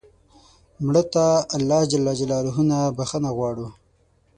مړه ته الله ج نه بخښنه غواړو